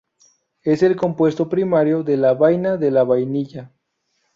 Es el compuesto primario de la vaina de la vainilla.